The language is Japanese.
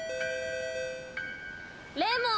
レモン。